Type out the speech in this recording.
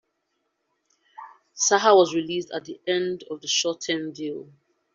Saha was released at the end of the short-term deal.